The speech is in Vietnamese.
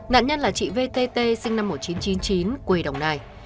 nạn nhân là chị vtt sinh năm một nghìn chín trăm chín mươi chín quê đồng nai